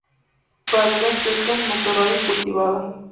Praderas secas, matorrales, cultivada.